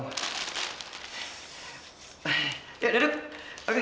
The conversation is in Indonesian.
yuk duduk oke geruk sampah sini